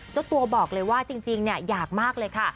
เจ้าตัวบอกเลยว่าจริงอยากมากเลยค่ะ